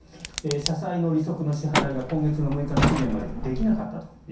社債の利息の支払いが今月の６日の期限までにできなかったと。